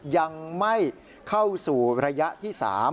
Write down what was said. ยังไม่เข้าสู่ระยะที่๓